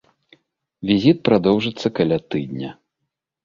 Візіт прадоўжыцца каля тыдня.